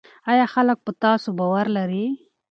آیا خلک په تاسو باور لري؟